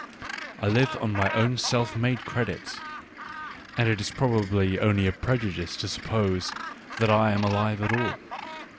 I live on my own self made credit, and it is probably only a pre judice to suppose that I am alive at all.